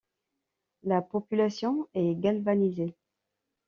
La population est galvanisée.